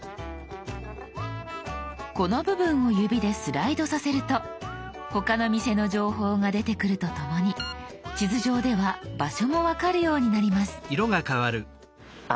この部分を指でスライドさせると他の店の情報が出てくるとともに地図上では場所も分かるようになります。